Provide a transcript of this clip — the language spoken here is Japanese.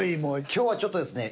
今日はちょっとですね